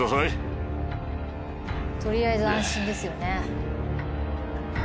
とりあえず安心ですよね。